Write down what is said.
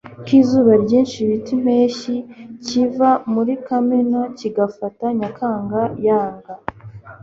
k'izuba ryinshi bita impeshyi kiva muri kamena, kigafata nyakanga yanga